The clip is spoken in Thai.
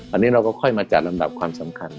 อันนี้เราก็ค่อยมาจัดลำดับความสำคัญ